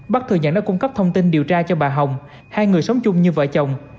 bắc thừa nhận đã cung cấp thông tin điều tra cho bà hồng hai người sống chung như vợ chồng